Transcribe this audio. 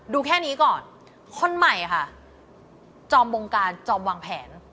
แค่นี้ก่อนคนใหม่ค่ะจอมวงการจอมวางแผน